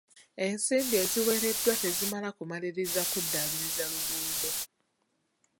Ensimbi eziweereddwa tezimala kumaliriza kuddaabiriza luguudo.